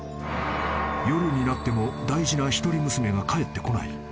［夜になっても大事な一人娘が帰ってこない］